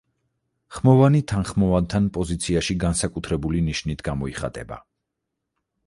ხმოვანი თანხმოვანთან პოზიციაში განსაკუთრებული ნიშნით გამოიხატება.